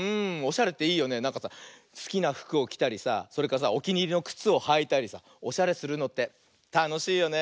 なんかさすきなふくをきたりさそれからさおきにいりのくつをはいたりさおしゃれするのってたのしいよね。